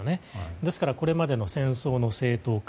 ですからこれまでの戦争の正当化